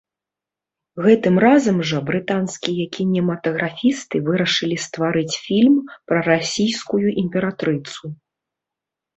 Гэтым разам жа брытанскія кінематаграфісты вырашылі стварыць фільм пра расійскую імператрыцу.